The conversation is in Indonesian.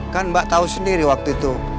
kan mbak tahu sendiri waktu itu